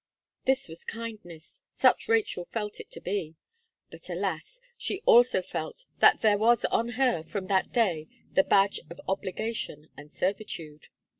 This was kindness such Rachel felt it to be; but, alas! she also felt that these was on her, from that day, the badge of obligation and servitude.